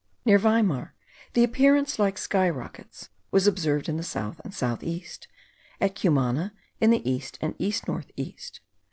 Near Weimar, the appearance like sky rockets was observed in the south and south east; at Cumana, in the east and east north east.